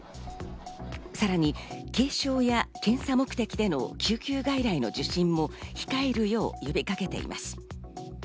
さらに軽症や検査目的での救急外来の受診も控えるよう呼びかけています。